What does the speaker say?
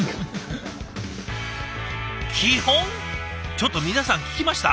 ちょっと皆さん聞きました？